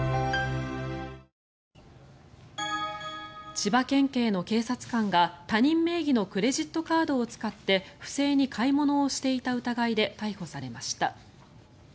千葉県警の警察官が他人名義のクレジットカードを使って不正に買い物をしていた疑いで逮捕されました。